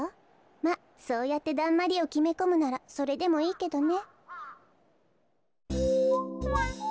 まっそうやってだんまりをきめこむならそれでもいいけどね。